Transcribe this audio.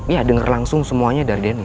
ya denger langsung semuanya dari dennis